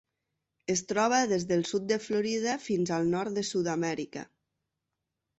Es troba des del sud de Florida fins al nord de Sud-amèrica.